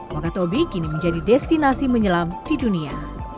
wakatobi kini menjadi destinasi menyelam di dunia